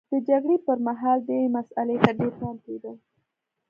د جګړې پرمهال دې مسئلې ته ډېر پام کېده